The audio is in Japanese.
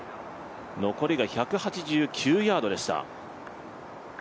残りが１８９ヤードでした。